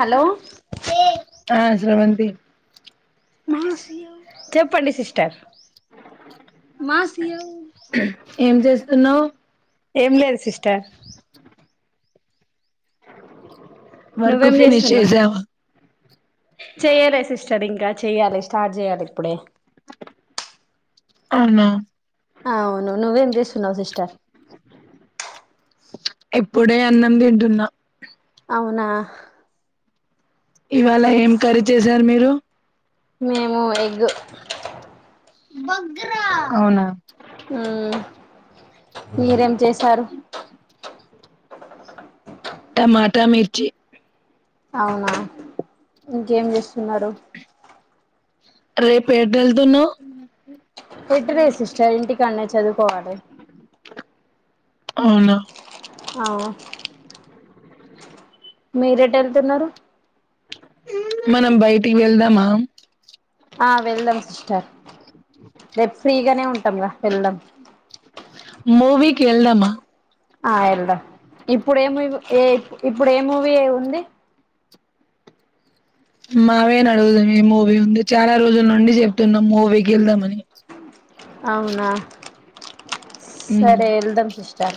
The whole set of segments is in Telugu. హలో ఆ స్రవంతి చెప్పండి సిస్టర్ మా సివొ ఏం చేస్తున్నావ్ ఏం లేదు సిస్టర్ [inaudible] వర్క్ ఫినిష్ చేసావా చెయ్యాలే సిస్టర్ ఇంకా చెయ్యాలి స్టార్ట్ చేయాలి ఇప్పుడే అవునా అవును నువ్వేం చేస్తున్నావ్ సిస్టర్ ఎప్పుడే అన్నం తింటున్నా అవునా ఇవళ ఏం ఖరీ చేశారు మీరు మేము ఎగ్ [unintelligible] అవునా ఉమ్ మీరేం చేశారు టమాటా మిర్చి అవునా ఇంకేం చేస్తున్నారు రేపేటెల్తున్నావ్ ఎటు లేద్ సిస్టర్ ఇంటికాన్నే చదువు కోవాలె అవునా అవు మీరేటెళ్తున్నారు మనం బయటికి వెళ్దామా ఆ వెళ్దాం సిస్టర్ రేపు ఫ్రీగానే ఉం థాంరా వెళ్దాం మూవీకేళ్దమ్మా ఆ వెళ్దాం ఇప్పుడు ఏమూవీ ఏ ఇప్పుడు ఏమూవీ ఉంది మావే అడుగుదాం ఈ మూవీ ఉంది చాలా రోజుల నుండి చెప్తున్నాం మూవీకి వెళ్దాంమని అవునా మ్మ్ సరే వెళ్దాం సిస్టర్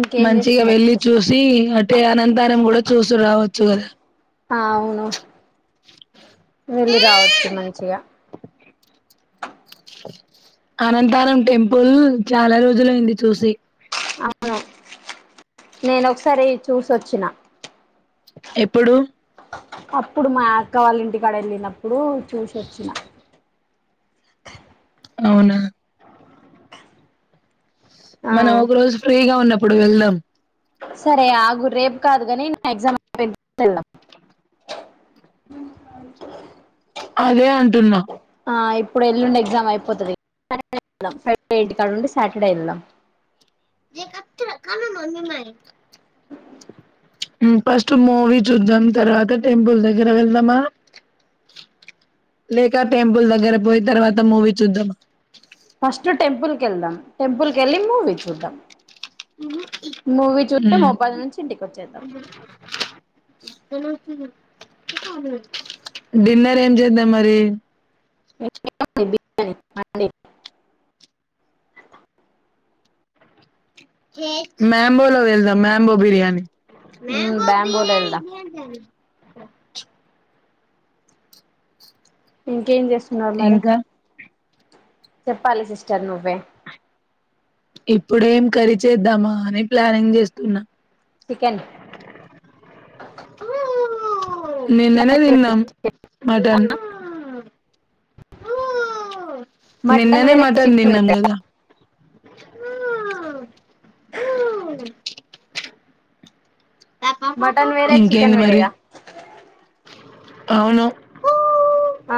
ఇంకేం మంచిగా చేస్తున్నారు వెళ్లిి సిస్టర్ చూసి అంటే అనంతానం కూడా చూసు రావచ్చు కదా ఆ అవును వెళ్ళి రావచ్చు మంచిగా అనంతానం టెంపుల్ చాలా రోజులయింది చూసి అవును నేన ఒకసారి చూసొచ్చిన ఎప్పుడు అప్పుడు మా అక్క వాళ్ళ ఇంటికాడ వెళ్ళినప్పుడు చూసోచ్చిన అవునా ఆ మనం ఒక రోజు ఫ్రీగా ఉన్నప్ ఇప్పుడు వెళ్దాం సరే ఆగురు రేపు కాదు కాని నేను ఎగ్జామ్ అయి వెళ్ళాము అదే అంటున్నా ఇప్పుడు ఎల్లుండి ఎగ్జామ్ అయిపోతుంది వెళ్దాం ఫ్రైడే ఎంటి కాడండి సాటర్డే వెళ్దాం ఏ క కనన్నా అమ్మీ మ మ్మ్ ఫస్ట్ మూవీ చూద్దాం తర్వాత టెంపుల్ దగ్గర వెళ్దామా లేక టెంపుల్ దగ్గర పోయి తర్వాత మూవీ చూద్దామా ఫస్ట్ టెంపుల్కి వెళ్దాం టెంపుల్కి వెళ్ళి మూవీ చూద్దాం మూవీ చూసి మ్ ముప్పది నుంచి ఇంటికి వచ్చేద్దాం డిన్నర్ ఏం చేద్దాం మరి ఇ బజ మ్యాంబో లో వెళ్దాము మ్యాంబో బిర్యానీ బ్యాంబోలో వెళ్దాం ఇంకేం చేస్తారు నర్మరి ఇంకా చెప్పాలి సిస్టర్ నువ్వే ఇప్పుడేం కరిీ చేేద్దామా అని ప్లానింగ్ చేస్తున్నా చికెన్ [inaudible] నిన్ననే తిన్నాం మటన్ [inaudible] మటన్ నిన్ననే వేరే మటన్ చికెన్ తిన్నాం వేరే కదా [inaudible] [inaudible] మటన్ వేరే చికెన్ ఇంకేంది మరి వేరేగా అవును ఆ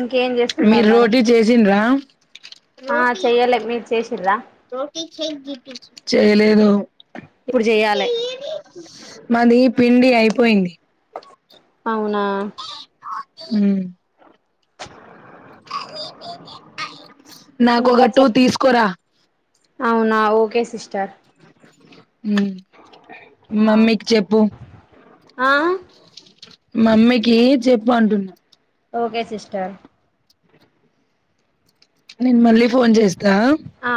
ఇంకేం చేస్తున్నారు మీరు మరి రోటీ చేసిండ్రా ఆ రోటీ చెయ్యాలే మీరు చేసిర్రా రోటీ చేయలేదు ఇప్పుడు చెయ్యాలే మాది పిండి అయిపోయింది అవునా హ్మ్మ్ నాక ఒక ఇంకా టూ చెప్ తీసుకోరా అవునా ఓకే సిస్టర్ ఉ మమ్మీకి చెప్పు ఆ మమ్మకి జప్ బండున్నా ఓకే సిస్టర్ నేను మళ్ళీ ఫోన్ చేస్తా ఆ